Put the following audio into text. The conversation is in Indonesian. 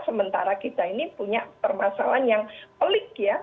sementara kita ini punya permasalahan yang pelik ya